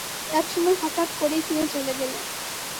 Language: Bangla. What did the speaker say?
একসময় হঠাৎ করেই তিনি চলে গেলেন।